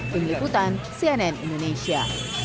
dengar putan cnn indonesia